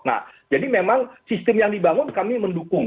nah jadi memang sistem yang dibangun kami mendukung